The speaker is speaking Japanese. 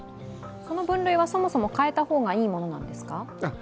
その分類はそもそも変えた方がいいものなんですか？